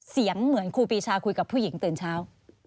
เสียงเหมือนครูปีชาคุยกับผู้หญิงตื่นเช้า